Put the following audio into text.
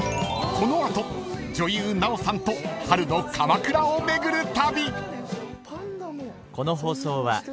［この後女優奈緒さんと春の鎌倉を巡る旅］